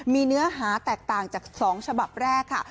มีเนื้อหาแตกต่างจาก๒ฉบับแรกค่ะ